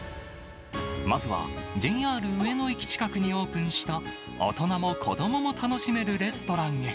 まずは、ＪＲ上野駅近くにオープンした、大人も子どもも楽しめるレストランへ。